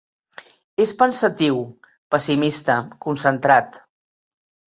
És pensatiu, pessimista, concentrat.